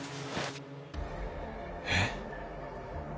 えっ？